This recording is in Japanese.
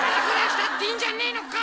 したっていいんじゃねえのか。